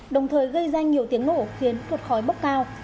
đồng thời gây ra nhiều tiếng nổ khiến cột khói bốc cao